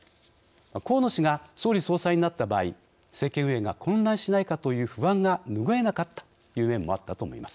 河野氏が総理・総裁になった場合政権運営が混乱しないかという不安がぬぐえなかったという面もあったと思います。